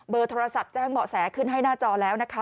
โทรศัพท์แจ้งเหมาะแสขึ้นให้หน้าจอแล้วนะคะ